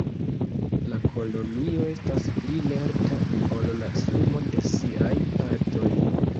La kolonio estas pli lerta ol la sumo de siaj partoj.